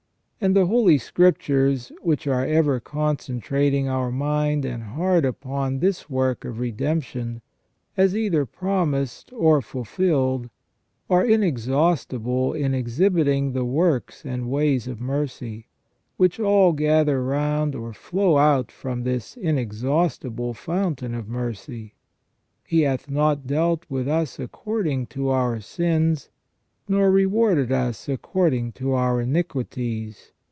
And the Holy Scriptures, which are ever concentrating our mind and heart upon this work of redemption, as either promised or fulfilled, are inexhaustible in exhibiting the works and ways of mercy, which all gather round or flow out from this inexhaustible fountain of mercy. "He hath not dealt with us according to our sins; nor rewarded us according to our iniquities.